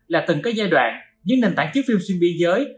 là từng cái giai đoạn những nền tảng chứa phim xuyên biên giới